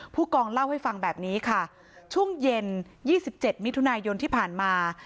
ผู้กองเล่าให้ฟังแบบนี้ค่ะช่วงเย็น๒๗มิถุนายนที่ผ่านมา